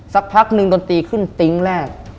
สักพักนึงดนตรีขึ้นติ๊งแรก